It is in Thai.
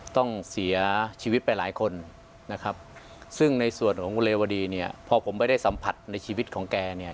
ต้องเสียชีวิตไปหลายคนนะครับซึ่งในส่วนของคุณเรวดีเนี่ยพอผมไม่ได้สัมผัสในชีวิตของแกเนี่ย